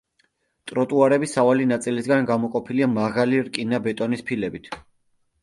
ტროტუარები სავალი ნაწილისაგან გამოყოფილია მაღალი რკინა-ბეტონის ფილებით.